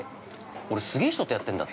俺、すげえ人とやってんだって。